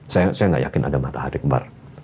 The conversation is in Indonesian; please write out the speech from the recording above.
saya nggak yakin ada matahari kembar